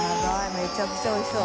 めちゃくちゃおいしそう。